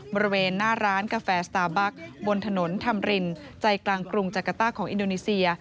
บริเวณหน้าร้านกาแฟสตาร์บัคบนถนนธรรมรินใจกลางกรุงจักรต้าของอินโดนีเซีย